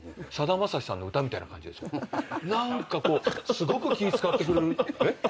何かこうすごく気使ってくれる。